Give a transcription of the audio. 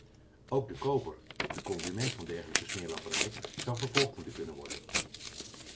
Ook de koper, de consument van dergelijke smeerlapperij zou vervolgd moeten kunnen worden.